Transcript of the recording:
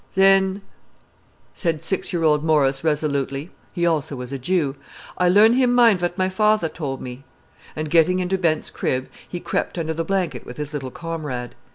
"Then," said six year old Morris, resolutely, he also was a Jew, "I learn him mine vat my fader tol' me." And getting into Bent's crib, he crept under the blanket with his little comrade.